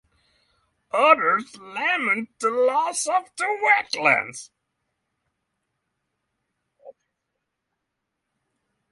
Others lament the loss of the wetlands.